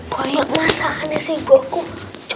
kayak masalahnya sih gua kok